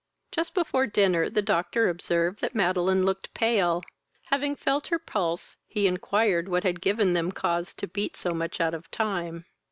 Just before dinner, the Doctor observed that Madeline looked pale: having felt her pulse, he inquired what had given them cause to beat so much out of time.